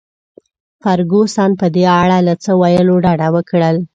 فرګوسن په دې اړه له څه ویلو ډډه وکړل.